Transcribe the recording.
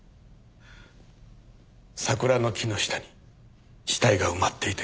桜の木の下に死体が埋まっていて。